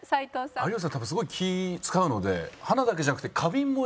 有吉さん多分すごい気ぃ使うので花だけじゃなくて。